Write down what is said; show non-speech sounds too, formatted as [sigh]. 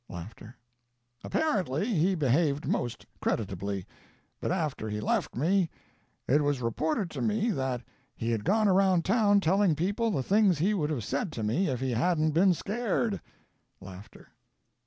[laughs] Apparently he behaved most creditably, but after he left me, it was reported tome that he had gone around town telling people the thing he would have said to me if he hadn't been scared. [Laughter.